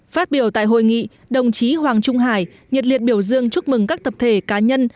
phát biểu tại hội nghị đồng chí hoàng trung hải nhiệt liệt biểu dương chúc mừng các tập thể cá nhân